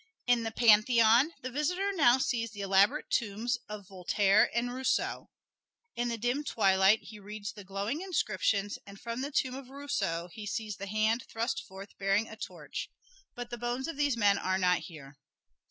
In the Pantheon, the visitor now sees the elaborate tombs of Voltaire and Rousseau. In the dim twilight he reads the glowing inscriptions, and from the tomb of Rousseau he sees the hand thrust forth bearing a torch but the bones of these men are not here.